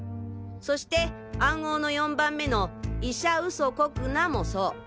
そして暗号の４番目の「医者ウソこくな」もそう。